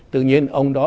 tự nhiên ông đó